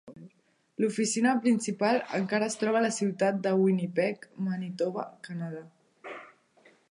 L'oficina principal encara es troba a la ciutat de Winnipeg, Manitoba, Canadà.